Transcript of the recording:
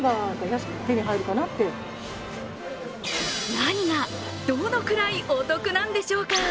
何がどのくらいお得なんでしょうか。